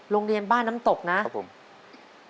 โรงเรียนบ้านน้ำตกนะครับผม